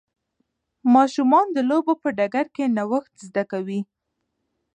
ماشومان د لوبو په ډګر کې نوښت زده کوي.